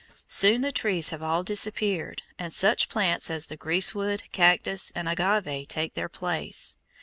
Soon the trees have all disappeared and such plants as the greasewood, cactus, and agave take their place.